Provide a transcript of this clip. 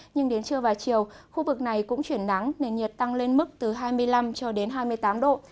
nhưng đến trưa và chiều khu vực này cũng chuyển nắng nền nhiệt tăng lên mức từ hai mươi năm cho đến hai mươi tám độ